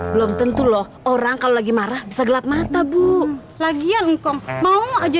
belum tentu loh orang kalau lagi marah bisa gelap mata bu lagian kong mau aja